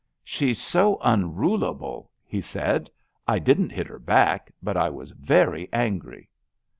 She's so unrulable," he said. '* I didn't hit her back, but I was very angry."